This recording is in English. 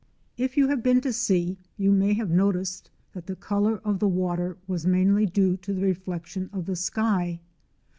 IF you have been to sea you may have noticed that the colour of the water was mainly due to the reflection of the sky.